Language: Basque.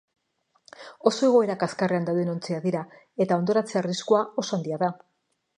Oso egoera kaskarrean dauden ontziak dira, eta hondoratze arriskua oso handia da.